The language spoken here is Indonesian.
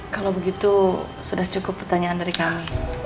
kalau begitu sudah cukup pertanyaan dari kami